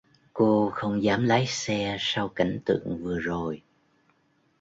cô không dám lái xe sau cảnh tượng vừa rồi